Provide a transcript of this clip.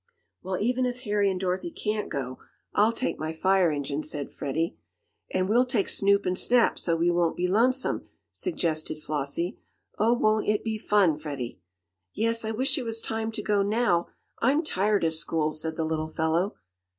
"Well, even if Harry and Dorothy can't go, I'll take my fire engine," said Freddie. "And we'll take Snoop and Snap, so we won't be lonesome," suggested Flossie. "Oh, won't it be fun, Freddie!" "Yes, I wish it was time to go now. I'm tired of school," said the little fellow.